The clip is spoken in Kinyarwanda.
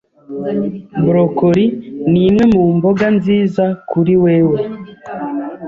Broccoli ni imwe mu mboga nziza kuri wewe.